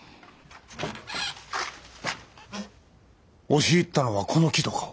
押し入ったのはこの木戸か。